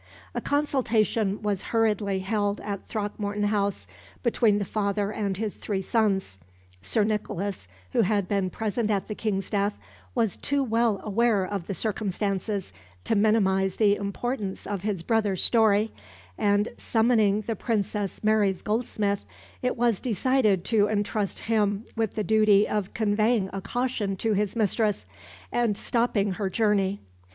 A consultation was hurriedly held at Throckmorton House, between the father and his three sons. Sir Nicholas, who had been present at the King's death, was too well aware of the circumstances to minimise the importance of his brother's story, and, summoning the Princess Mary's goldsmith, it was decided to entrust him with the duty of conveying a caution to his mistress, and stopping her journey.